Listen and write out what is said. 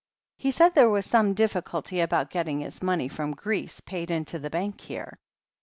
He said there was some difficulty about getting his money from Greece paid into the Bank here.